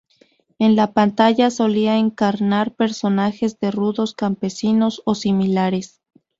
En la pantalla solía encarnar personajes de rudos campesinos o similares.